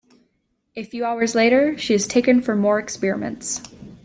A few hours later, she is taken for more experiments.